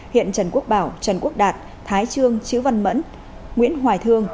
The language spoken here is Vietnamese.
hiện trần quốc bảo trần quốc đạt thái trương văn mẫn nguyễn hoài thương